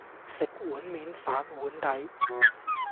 食碗面反碗底